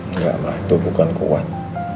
enggak lah itu bukan kuat